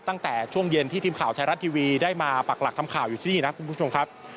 ตั้งแต่ช่วงเย็นที่ทีมข่าวไทยรัฐทีวีได้มาปักหลักทำข่าวอยู่ที่นี่นะคุณผู้ชมครับ